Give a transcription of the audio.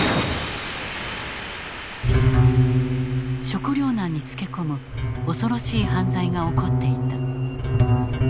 食糧難につけ込む恐ろしい犯罪が起こっていた。